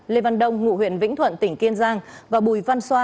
lê văn đông ngụ huyện vĩnh thuận tỉnh kiên giang và bùi văn xoa